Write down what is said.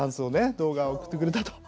動画を送ってくれたと。